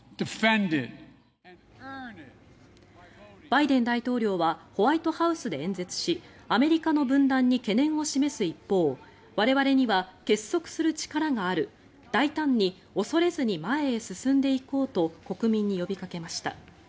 バイデン大統領はホワイトハウスで演説しアメリカの分断に懸念を示す一方我々には結束する力がある大胆に、恐れずに前へ進んでいこうと国民に呼びかけました。